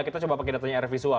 kita coba pakai datanya air visual